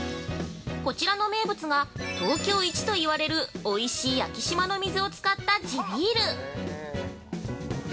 こちらの名物が東京イチと言われるおいしい昭島の水を使った地ビール！